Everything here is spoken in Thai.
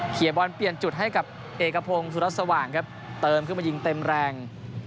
บอลเปลี่ยนจุดให้กับเอกพงศุรัสสว่างครับเติมขึ้นมายิงเต็มแรง